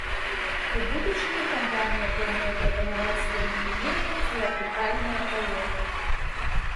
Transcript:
У будучыні кампанія плануе прапанаваць сваім кліентам і арбітальныя палёты.